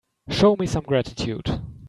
Show me some gratitude.